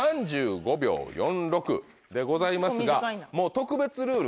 特別ルール